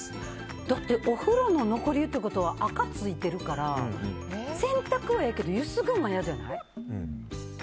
だってお風呂の残り湯ってことは垢ついてるから洗濯はいいけどゆすぐのは嫌じゃない？